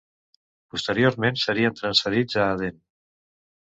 Posteriorment serien transferits a Aden.